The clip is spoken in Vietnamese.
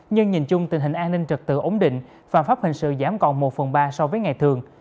nhưng nhìn chung tình hình an ninh trật tự ổn định phạm pháp hình sự giảm còn một phần ba so với ngày thường